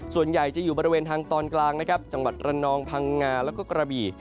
ส่วนใหญ่จะอยู่บริเวณทางตอนกลางนะครับจังหวัดระนองพังงาแล้วก็กระบี่